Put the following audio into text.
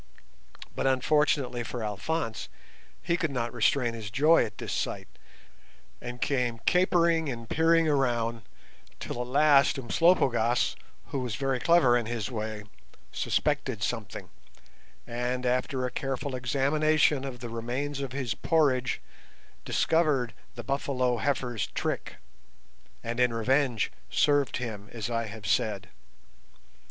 But, unfortunately for Alphonse, he could not restrain his joy at this sight, and came capering and peering round, till at last Umslopogaas, who was very clever in his way, suspected something, and, after a careful examination of the remains of his porridge, discovered "the buffalo heifer's trick", and, in revenge, served him as I have said.